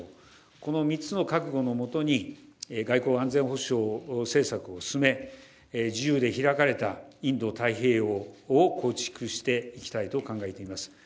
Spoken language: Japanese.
この３つの覚悟のもとに外交安全保障政策を進め自由で開かれたインド太平洋を構築していきたいと考えています。